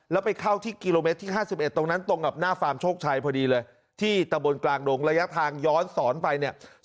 แล้วไปเข้าที่กิโลเมตรที่๕๑ตรงนั้นตรงกับหน้าฟาร์มโชคชัยพอดีเลยที่ตะบนกลางดงระยะทางย้อนสอนไปเนี่ย